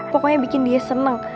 pokoknya bikin dia seneng